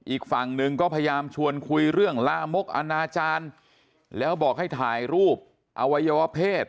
อีกฝั่งหนึ่งก็พยายามชวนคุยเรื่องลามกอนาจารย์แล้วบอกให้ถ่ายรูปอวัยวะเพศ